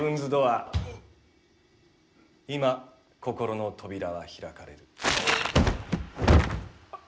今心の扉は開かれる。